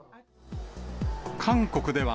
韓国では、